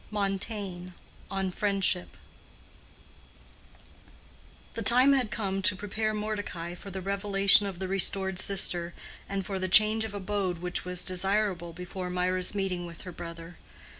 —MONTAIGNE: On Friendship. The time had come to prepare Mordecai for the revelation of the restored sister and for the change of abode which was desirable before Mirah's meeting with her brother.